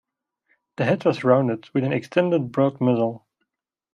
The head was rounded with an extended broad muzzle.